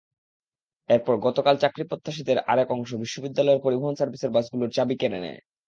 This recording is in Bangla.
এরপর গতকাল চাকরিপ্রত্যাশীদের আরেক অংশ বিশ্ববিদ্যালয়ের পরিবহন সার্ভিসের বাসগুলোর চাবি কেড়ে নেয়।